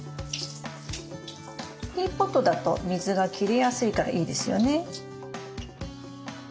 ティーポットだと水が切れやすいからいいですよね。